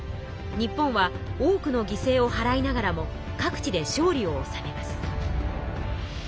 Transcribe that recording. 日本は多くの犠牲をはらいながらも各地で勝利をおさめます。